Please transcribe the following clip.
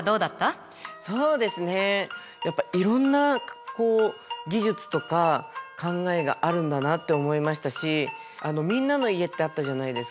そうですねやっぱいろんなこう技術とか考えがあるんだなって思いましたしみんなの家ってあったじゃないですか。